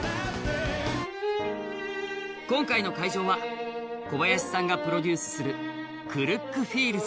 今回の会場は小林さんがプロデュースするクルックフィールズ。